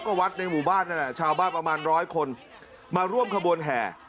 ก็วัดในหมู่บ้านนั่นแหละชาวบ้านประมาณร้อยคนมาร่วมขบวนแห่